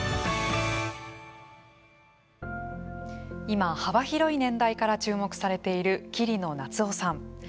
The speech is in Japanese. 今、幅広い年代から注目されている桐野夏生さん。